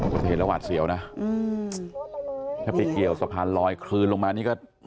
เห็นแล้วหวาดเสียวนะถ้าไปเกี่ยวสะพานลอยคลืนลงมานี่ก็